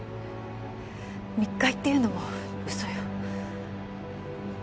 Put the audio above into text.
密会っていうのも嘘よ。